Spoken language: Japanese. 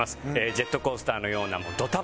ジェットコースターのようなドタバタ喜劇